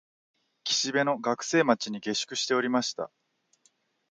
岸辺の学生町に下宿しておりました